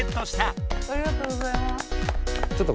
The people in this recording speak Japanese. ありがとうございます！